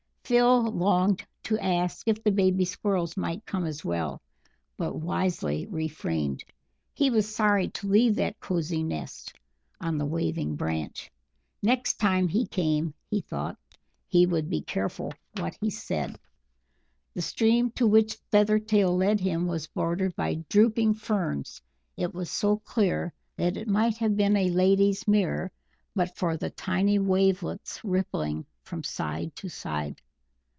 Phil longed to ask if the baby Squirrels might come as well, but wisely refrained. He was sorry to leave that cosy nest on the waving branch; next time he came, he thought, he would be careful what he said. The stream to which Feathertail led him was bordered by drooping ferns; it was so clear that it might have been a lady's mirror but for the tiny wavelets rippling from side to side.